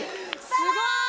すごい！